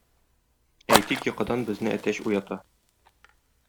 Әйтик, йокыдан безне әтәч уята.